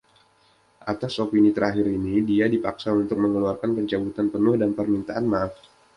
Atas opini terakhir ini dia dipaksa untuk mengeluarkan pencabutan penuh dan permintaan maaf.